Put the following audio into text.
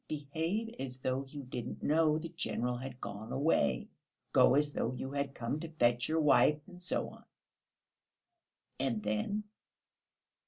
Behave as though you didn't know the general had gone away. Go as though you had come to fetch your wife, and so on." "And then?"